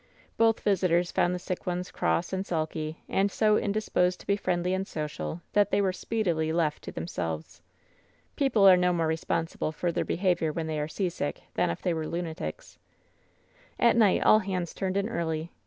Both visitors found the sick ones cross and sulky, and so in disposed to be friendly and social that they were speedily left to themselves. People are no more responsible for their ^behavior when they are seasick than if they were lunatics. At night all hands turned in early.